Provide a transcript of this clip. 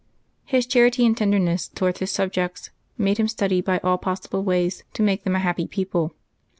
His charity and tenderness towards his subjects made him study by all possible ways to make them a happy people.